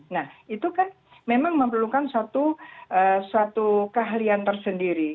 nah itu kan memang memerlukan suatu suatu keahlian tersendiri